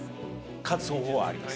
勝つ方法はあります。